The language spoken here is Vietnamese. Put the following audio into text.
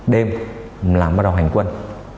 đêm làm bắt đầu hành quân